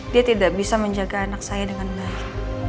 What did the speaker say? dia tidak bisa menjaga anak saya dengan baik